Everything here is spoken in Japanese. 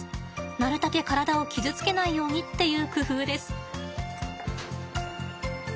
なるたけ体を傷つけないようにっていう工夫です。